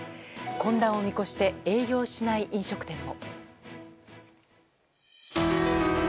混乱を見越して営業しない飲食店も。